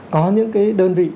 có những cái đơn vị